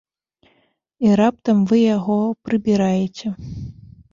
І раптам вы яго прыбіраеце.